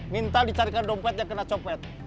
minta dicarikan dompet yang kena copet